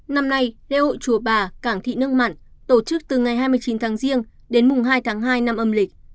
năm nay lễ hội chùa bà cảng thị nước mặn tổ chức từ ngày hai mươi chín tháng riêng đến mùng hai tháng hai năm âm lịch